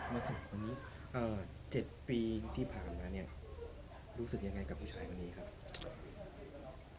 มาถึง๗ปีที่ผ่านมาเนี่ยรู้สึกยังไงกับผู้ชายคนนี้ครับ